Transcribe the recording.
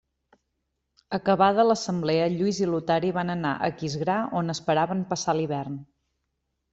Acabada l'assemblea Lluís i Lotari van anar a Aquisgrà on esperaven passar l'hivern.